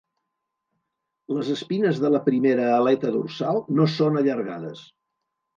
Les espines de la primera aleta dorsal no són allargades.